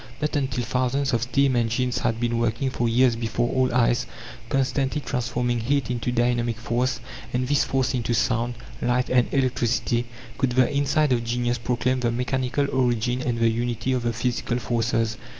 Not until thousands of steam engines had been working for years before all eyes, constantly transforming heat into dynamic force, and this force into sound, light, and electricity, could the insight of genius proclaim the mechanical origin and the unity of the physical forces.